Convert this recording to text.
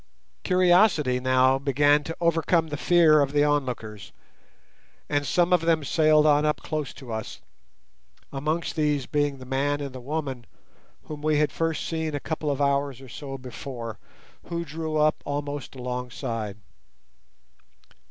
Curiosity now began to overcome the fear of the onlookers, and some of them sailed on up close to us, amongst these being the man and woman whom we had first seen a couple of hours or so before, who drew up almost alongside.